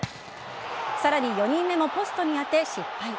さらに、４人目もポストに当て、失敗。